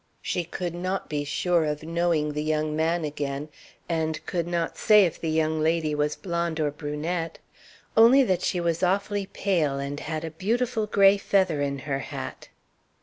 She could not be sure of knowing the young man again, and could not say if the young lady was blonde or brunette, only that she was awfully pale and had a beautiful gray feather in her hat.